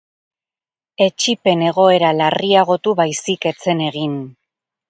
Etsipen egoera larriagotu baizik ez zen egin.